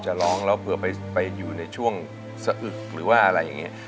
จะร้องเราเผื่อไปไปอยู่ในช่วงสะอึกหรือว่าอะไรอย่างเงี้ย